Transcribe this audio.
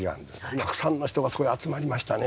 たくさんの人がそこに集まりましたね。